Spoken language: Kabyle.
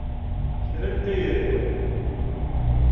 Kra n tayri!